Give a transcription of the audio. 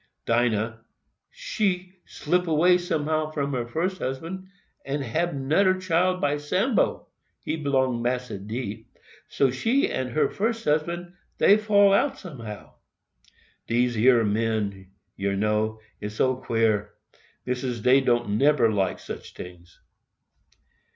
Dinah, she slip away somehow from her first husband, and hab 'noder child by Sambo (he b'long to Massa D.); so she and her first husband dey fall out somehow. Dese yer men, yer know, is so queer, Missis, dey don't neber like sich tings.